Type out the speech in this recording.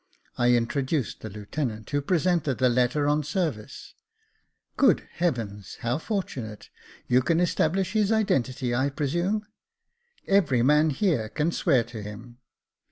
I introduced the lieutenant, who presented the letter on service. " Good heavens ; how fortunate ! You can establish his identity, I presume." " Every man here can swear to him."